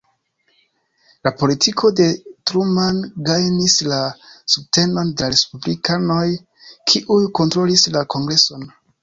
La politiko de Truman gajnis la subtenon de la respublikanoj kiuj kontrolis la kongreson.